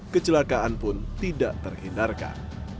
kecelakaan pun tidak terhindarkan